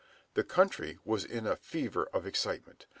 The country was in a fever of excitement.